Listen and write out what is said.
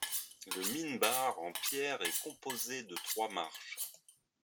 Le minbar en pierre est composé de trois marches.